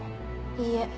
いいえ。